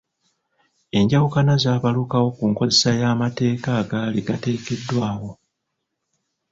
Enjawukana zaabalukawo ku nkozesa y’amateeka agaali gateekeddwawo.